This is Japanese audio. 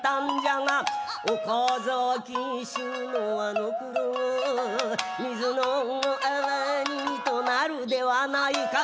「岡崎衆のあの苦労」「水の泡にとなるではないかと」